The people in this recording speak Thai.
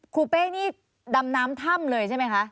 เป้นี่ดำน้ำถ้ำเลยใช่ไหมคะ